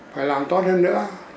phải làm tốt hơn nữa